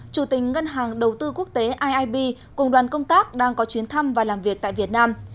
chủ tình ngân hàng đầu tư quốc tế iib cùng đoàn công tác đang có chuyến thăm và làm việc tại việt nam